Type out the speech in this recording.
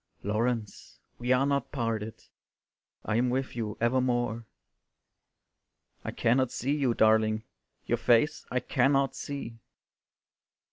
"Laurence, we are not parted, I am with your evermore." "I cannot see you, darling, Your face I cannot see."